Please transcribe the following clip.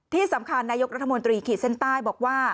ที่สำคัญนายกรัฐมนตรีขีดเส้นใต้บอกว่า